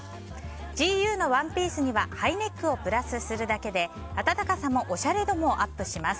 ＧＵのワンピースにはハイネックをプラスするだけで暖かさもおしゃれ度もアップします。